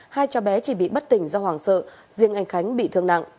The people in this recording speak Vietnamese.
hai cháu bé chỉ bị bất tỉnh do hoàng sợ riêng anh khánh bị thương nặng